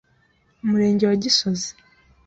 Umurenge wa Gisozi,